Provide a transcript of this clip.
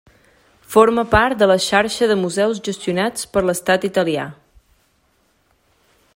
Forma part de la xarxa de museus gestionats per l'estat italià.